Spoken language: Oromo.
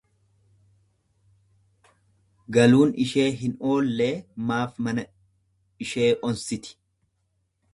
Galuun ishee hin oollee maaf mana ishee onsiti?